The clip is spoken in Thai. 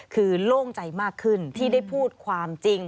คือโล่งใจมากขึ้นที่ได้พูดความจริง